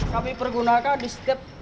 kami pergunakan diskip